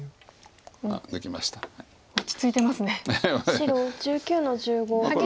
白１９の十五取り。